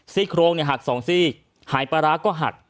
โครงหัก๒ซีกหายปลาร้าก็หัก